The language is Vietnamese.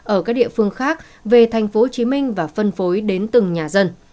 ở các địa phương khác về tp hcm và phân phối đến từng nhà dân